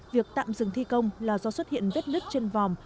việc tạm dừng thi công là do xuất hiện vết nứt trên vòng